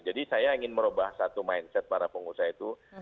jadi saya ingin merubah satu mindset para pengusaha itu